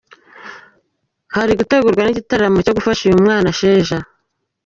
Hari gutegurwa n’igitaramo cyo gufasha uyu mwana Sheja.